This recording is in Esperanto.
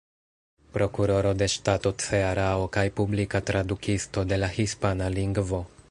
Prokuroro de Ŝtato Cearao kaj publika tradukisto de la hispana lingvo.